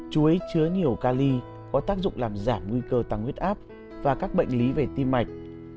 chuối chứa nhiều cali có tác dụng làm giảm nguy cơ tăng huyết áp và các bệnh lý về tim mạch